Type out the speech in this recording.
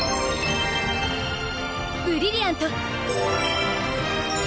ブリリアント！